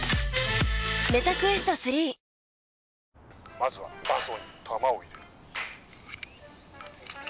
「まずは弾倉に弾を入れる」